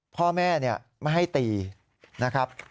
พ่อแม่ไม่ให้ตีนะครับ